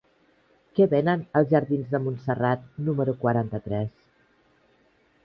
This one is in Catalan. Què venen als jardins de Montserrat número quaranta-tres?